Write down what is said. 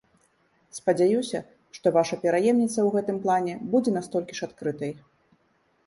Спадзяюся, што ваша пераемніца ў гэтым плане будзе настолькі ж адкрытай.